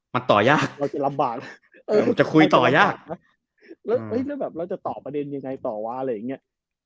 มันต่อยากจะคุยต่อยากเราจะตอบประเด็นยังไงต่อว่าอะไรอย่างนี้